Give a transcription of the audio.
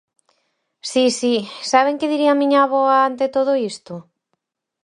Si, si, ¿saben que diría a miña avoa ante todo isto?